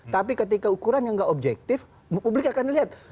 karena ketika ukuran yang nggak objektif publik akan lihat